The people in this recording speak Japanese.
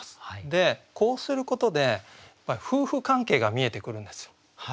でこうすることでやっぱり夫婦関係が見えてくるんですよ。